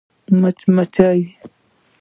🐝 مچمچۍ